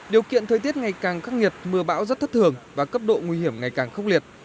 điều kiện thời tiết ngày càng khắc nghiệt mưa bão rất thất thường và cấp độ nguy hiểm ngày càng khốc liệt